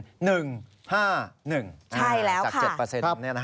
จาก๗ตรงนี้นะคะใช่แล้วค่ะ